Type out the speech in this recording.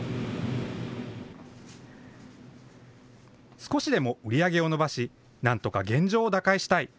少しでも売り上げを伸ばし、なんとか現状を打開したい。